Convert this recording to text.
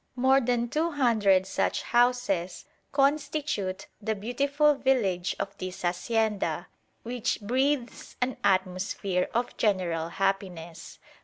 More than two hundred such houses constitute the beautiful village of this hacienda, which breathes an atmosphere of general happiness.